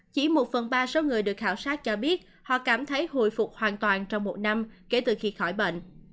chỉ một phần ba số người được khảo sát cho biết họ cảm thấy hồi phục hoàn toàn trong một năm kể từ khi khỏi bệnh